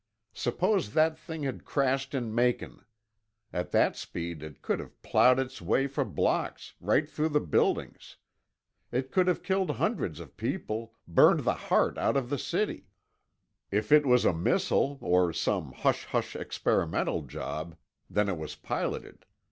Suppose that thing had crashed in Macon. At that speed it could have plowed its way for blocks, right through the buildings. It could have killed hundreds of people, burned the heart out of the city. "If it was a missile, or some hush hush experimental job, then it was piloted.